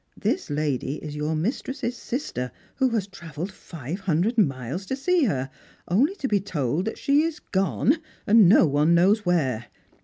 This lady is your mistress's sister, who has travelled five hundred miles to see her, only to be told that she is gone, no one knows where.